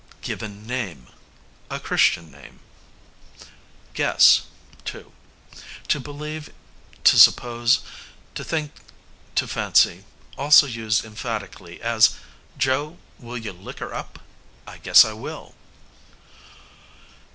Given name, a Christian name. Guess, to; to believe, to suppose, to think, to fancy; also used emphatically, as 'Joe, will you liquor up?' 'I guess I will.'